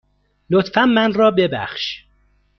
لطفاً من را ببخش.